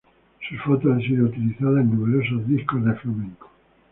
Sus fotos han sido utilizadas en numerosos discos de flamenco.